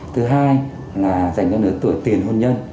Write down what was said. thứ hai là dành cho nửa tuổi tiền hôn nhân